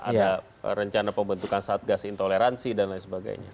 ada rencana pembentukan satgas intoleransi dan lain sebagainya